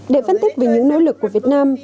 để phân tích về những nỗ lực của việt nam